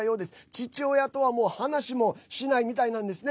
父親とはもう話もしないみたいなんですね。